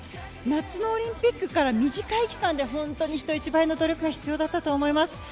夏のオリンピックから短い期間で本当に人一倍の努力が必要だったと思います。